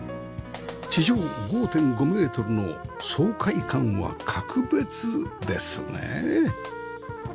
地上 ５．５ メートルの爽快感は特別ですね